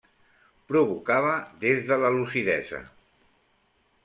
Provocava des de la lucidesa.